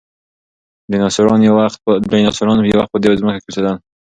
ډیناسوران یو وخت په دې ځمکه کې اوسېدل.